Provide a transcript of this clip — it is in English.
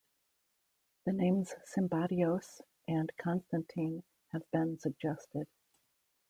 The names Symbatios and Constantine have been suggested.